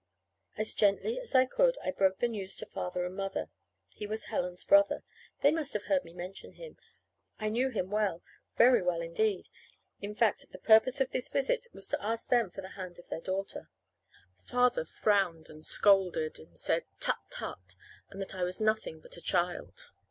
As gently as I could I broke the news to Father and Mother. He was Helen's brother. They must have heard me mention him, I knew him well, very well, indeed. In fact, the purpose of this visit was to ask them for the hand of their daughter. Father frowned and scolded, and said, "Tut, tut!" and that I was nothing but a child.